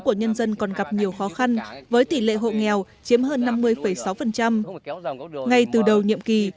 của nhân dân còn gặp nhiều khó khăn với tỷ lệ hộ nghèo chiếm hơn năm mươi sáu ngay từ đầu nhiệm kỳ